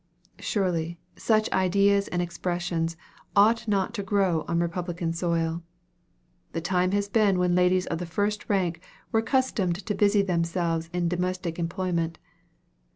Surely, such ideas and expressions ought not to grow on republican soil. The time has been when ladies of the first rank were accustomed to busy themselves in domestic employment.